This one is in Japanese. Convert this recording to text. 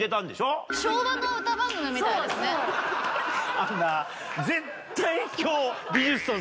あのな絶対今日。